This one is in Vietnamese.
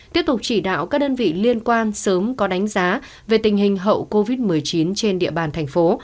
tiếp tục chỉ đạo các đơn vị liên quan sớm có đánh giá về tình hình hậu covid một mươi chín trên địa bàn thành phố